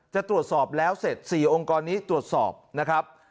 จะตรวจสอบแล้วเสร็จ๔องค์กรนี้ตรวจสอบนะครับ